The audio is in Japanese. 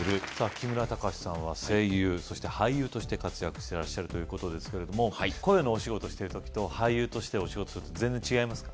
木村貴史さんは声優そして俳優として活躍してらっしゃるということですけれども声のお仕事してる時と俳優としてお仕事する時と全然違いますか？